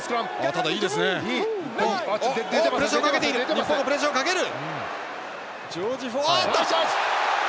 日本がプレッシャーをかける！